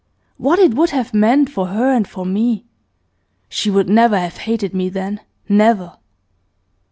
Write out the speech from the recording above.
What it would have meant for her and for me! She would never have hated me then, never.